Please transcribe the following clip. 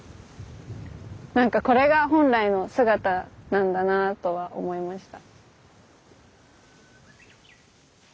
なんかこれが本来の姿なんだなぁとは思いました。